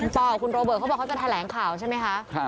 ปกับคุณโรเบิร์ตเขาบอกเขาจะแถลงข่าวใช่ไหมคะ